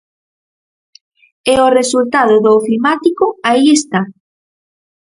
E o resultado do ofimático aí está.